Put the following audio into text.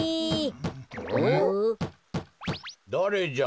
だれじゃ？